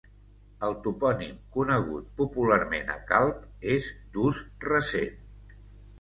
El topònim, conegut popularment a Calp, és d'ús recent.